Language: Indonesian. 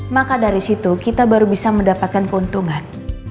maka dari situ kita baru bisa mendapatkan keuntungan